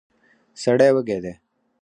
سړی وږی دی.